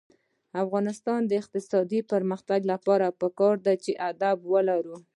د افغانستان د اقتصادي پرمختګ لپاره پکار ده چې ادب ولرو.